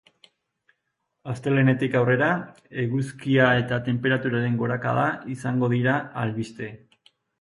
Astelehenetik aurrera, eguzkia eta tenperaturaren gorakada izango dira albiste.